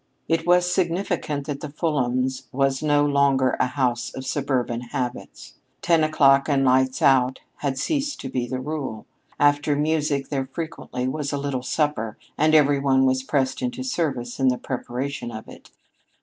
It was significant that the Fulhams' was no longer a house of suburban habits. Ten o'clock and lights out had ceased to be the rule. After music there frequently was a little supper, and every one was pressed into service in the preparation of it.